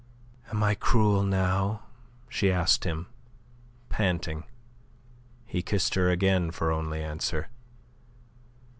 "Am I cruel now?" she asked him, panting. He kissed her again for only answer.